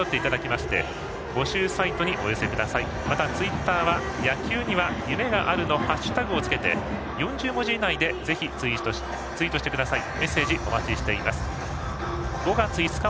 またツイッターは「＃野球には夢がある」とハッシュタグをつけて４０文字以内でツイートしてください。